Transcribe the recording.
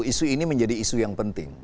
isu ini menjadi isu yang penting